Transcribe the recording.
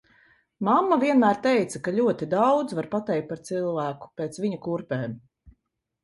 Mamma vienmēr teica, ka ļoti daudz var pateikt par cilvēku pēc viņa kurpēm.